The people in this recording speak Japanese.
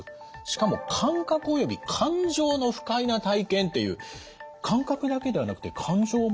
しかも「感覚および感情の不快な体験」っていう感覚だけではなくて感情も不快。